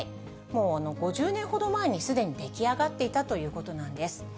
もう５０年ほど前にすでに出来上がっていたということなんです。